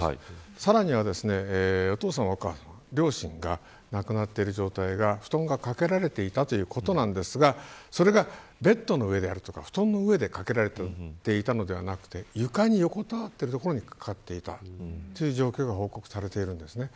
さらにはお父様、両親が亡くなっている状態が布団がかけられていたということですがそれがベッドの上であったり布団の上でというのではなくて、床に横たわっているところにかけられていたという状況が報告されています。